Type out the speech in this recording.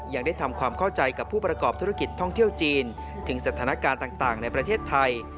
ยังได้ทำความเข้าใจกับผู้ประกอบธุรกิจท่องเที่ยวจีนถึงสถานการณ์ต่างในประเทศไทย